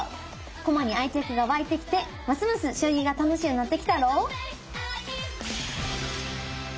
駒に愛着が湧いてきてますます将棋が楽しゅうなってきたろう？